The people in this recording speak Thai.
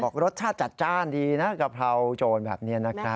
รสชาติจัดจ้านดีนะกะเพราโจรแบบนี้นะครับ